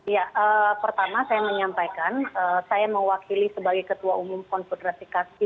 ya pertama saya menyampaikan saya mewakili sebagai ketua umum konfederasi kasi